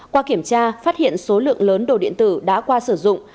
qua kiểm tra phát hiện số lượng lớn đồ điện tử đã qua sử dụng